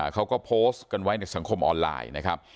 เขาก็โพสต์กันไว้ในสังคมออนไลน์นะครับ